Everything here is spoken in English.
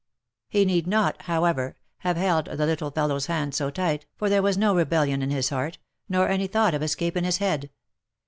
He need not, however, have held the little fellow's hand so tight, for there was no rebellion in his heart, nor any thought of escape in his head.